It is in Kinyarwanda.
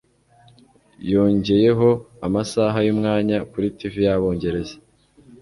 Yongeyeho Amasaha Yumwanya Kuri Tv Yabongereza